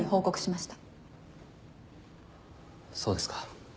そうですか。